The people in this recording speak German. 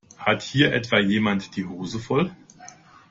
Hat hier etwa jemand die Hosen voll?